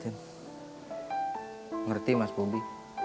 ngerti mas bobi